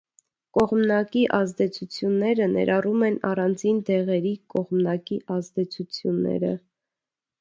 Կողմնակի ազդեցությունները ներառում են առանձին դեղերի կողմնակի ազդեցությունները։